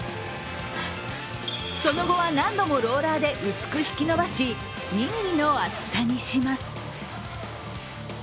その後は何度もローラーで薄く引き延ばし２ｍｍの厚さにします。